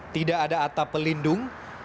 tidak ada atap pelindung